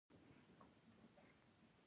سلیمان غر د امنیت په اړه اغېز لري.